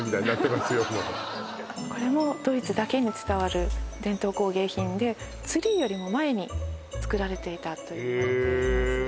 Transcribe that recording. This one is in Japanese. これもドイツだけに伝わる伝統工芸品でツリーよりも前に作られていたといわれています